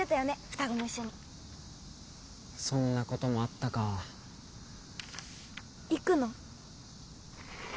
双子も一緒にそんなこともあったか行くの？